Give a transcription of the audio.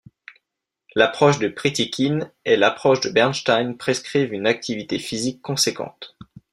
L’approche de Pritikin et l’approche de Bernstein prescrivent une activité physique conséquente.